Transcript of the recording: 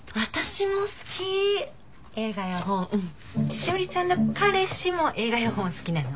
志生里ちゃんの彼氏も映画や本好きなの？